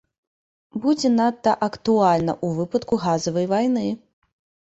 Будзе надта актуальна ў выпадку газавай вайны!